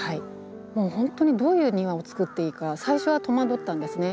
もう本当にどういう庭をつくっていいか最初は戸惑ったんですね。